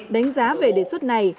đánh giá về đề xuất này